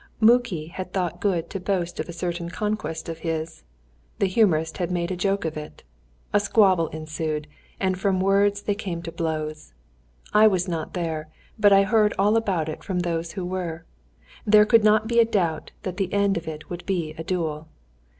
Muki had thought good to boast of a certain conquest of his, the humorist had made a joke of it; a squabble ensued, and from words they came to blows. I was not there, but I heard all about it from those who were. There could not be a doubt that the end of it would be a duel.